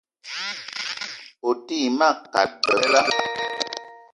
O te yi ma kat bebela.